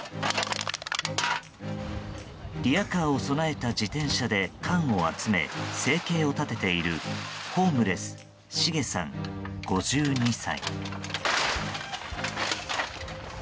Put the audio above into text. リヤカーを備えた自転車で缶を集め生計を立てているホームレス・シゲさん、５２歳。